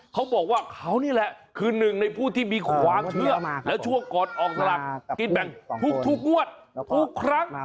เขาบอกว่าเขานี่แหละคือหนึ่งในผู้ที่มีความเชื่อแล้วช่วงก่อนออกสลักกินแบ่งทุกงวดทุกครั้ง